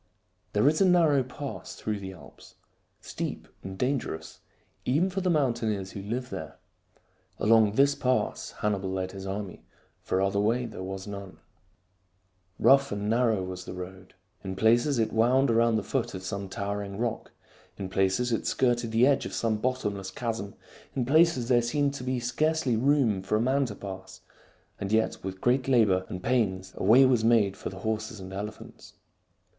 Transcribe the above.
There is a narrow pass through the Alps, steep and dangerous even for the mountaineers who live there. Along this pass Hannibal led his army, for other way there was none. Rough and narrow was the road. In places it wound around the foot of some towering rock ; in places it skirted the edge of some bottomless chasm; in places there seemed to be scarcely room for a man to pass, and yet with great labor and pains a way was made for the horses and elephants.